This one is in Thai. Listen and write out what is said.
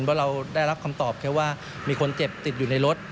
เพราะเราได้รับคำตอบแค่ว่ามีคนเจ็บติดอยู่ในรถ